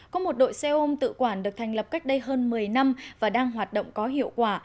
có một đội xe ôm tự quản được thành lập cách đây hơn một mươi năm và đang hoạt động có hiệu quả